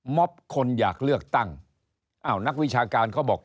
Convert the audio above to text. ม็อบคนอยากเลือกตั้งนักวิชาการเค้าบอก